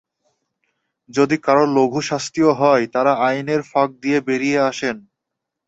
যদি কারও লঘু শাস্তিও হয়, তাঁরা আইনের ফাঁক দিয়ে বেরিয়ে আসেন।